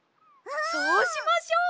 そうしましょう！